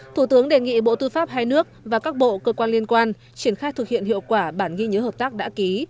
thủ tướng đề nghị bộ tư pháp hai nước và các bộ cơ quan liên quan triển khai thực hiện hiệu quả bản ghi nhớ hợp tác đã ký